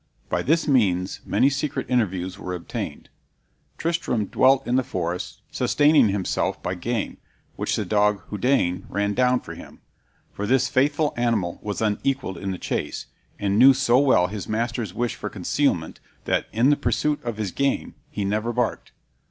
By this means many secret interviews were obtained. Tristram dwelt in the forest, sustaining himself by game, which the dog Houdain ran down for him; for this faithful animal was unequalled in the chase, and knew so well his master's wish for concealment, that, in the pursuit of his game, he never barked.